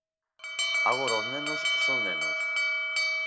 Agora os nenos son nenos.